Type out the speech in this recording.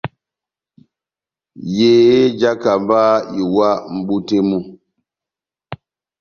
Yehé jáhákamba iwa mʼbú tɛ́h mú.